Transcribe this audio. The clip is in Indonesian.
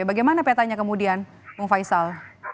bagaimana petanya kemudian bang faisal